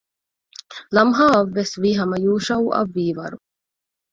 ލަމްހާއަށްވެސްވީ ހަމަ ޔޫޝައުއަށް ވީވަރު